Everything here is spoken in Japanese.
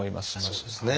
そうですね。